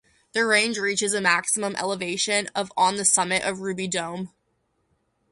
The range reaches a maximum elevation of on the summit of Ruby Dome.